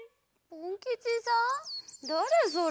だれそれ？